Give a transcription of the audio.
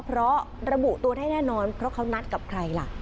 เพราะระบุตัวได้แน่นอนเพราะเขานัดกับใครล่ะ